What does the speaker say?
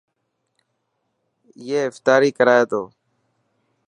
اي افتاري ڪرائي تو.